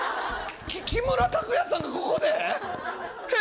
木村拓哉さんがここで。